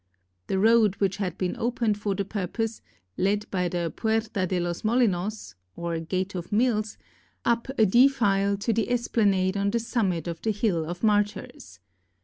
The road which had been opened for the purpose, led by the Puerta de los Mohnos, or Gate of Mills, up a defile to the esplanade on the summit of the Hill of Martyrs.